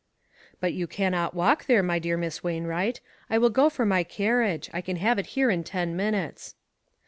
"But you cannot walk there, my dear Miss Wainwright; I will go for my car riage ; I can have it here in ten minutes.'